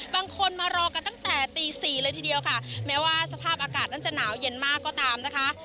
บางคนมารอกันตั้งแต่ตีสี่เลยทีเดียวค่ะแม้ว่าสภาพอากาศนั้นจะหนาวเย็นมากก็ตามนะคะ